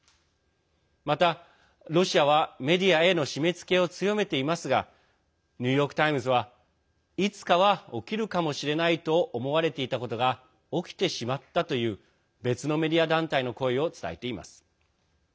また、ロシアはメディアへの締めつけを強めていますがニューヨーク・タイムズはいつかは起きるかもしれないと思われていたことが起きてしまったという別のメディア団体の声を伝えています。